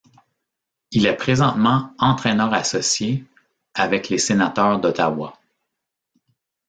Il est présentement entraîneur-associée avec les Sénateurs d'Ottawa.